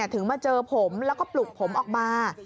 ถึงมาเจอผมแล้วก็ปลุกผมออกมา